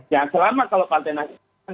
ya selama kalau partai nasdem